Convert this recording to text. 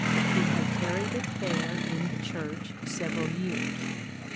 He had carried it fair in the Church several years.